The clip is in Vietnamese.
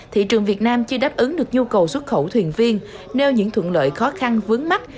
thị trường việt nam chưa đáp ứng được nhu cầu xuất khẩu thuyền viên nêu những thuận lợi khó khăn vướng mắt